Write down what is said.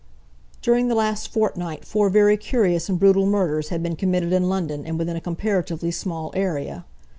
During the last fortnight four very curious and brutal murders had been committed in London and within a comparatively small area.